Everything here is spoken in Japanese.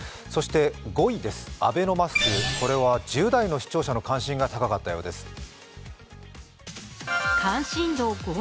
そして５位、アベノマスク、１０代の視聴者の関心が高かったようです。